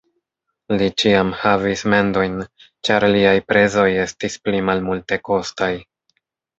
Li ĉiam havis mendojn, ĉar liaj prezoj estis pli malmultekostaj.